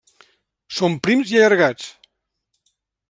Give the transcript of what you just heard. Són prims i allargats.